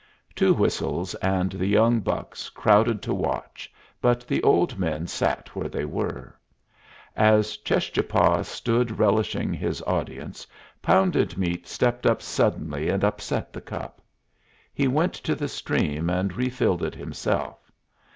Two Whistles and the young bucks crowded to watch, but the old men sat where they were. As Cheschapah stood relishing his audience, Pounded Meat stepped up suddenly and upset the cup. He went to the stream and refilled it himself.